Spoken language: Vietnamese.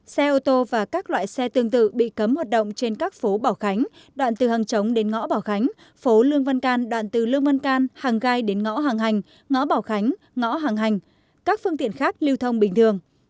xe ô tô và các loại xe tương tự bị cấm hoạt động trên các phố bảo khánh đoạn từ hàng chống đến ngõ bảo khánh phố lương văn can đoạn từ lương văn can hàng gai đến ngõ hàng hành ngõ bảo khánh ngõ hàng hành các phương tiện khác lưu thông bình thường